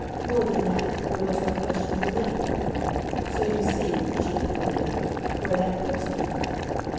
More than that, there was no question for them. So you see," she concluded, "where that puts me."